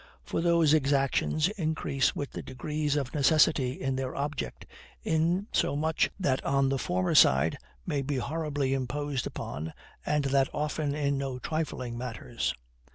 For those exactions increase with the degrees of necessity in their object, insomuch that on the former side many are horribly imposed upon, and that often in no trifling matters.